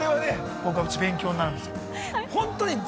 僕は勉強になるんですよ。